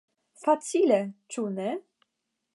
Facile, ĉu ne?